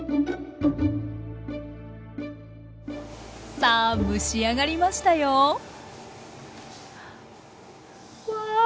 さあ蒸し上がりましたよわあ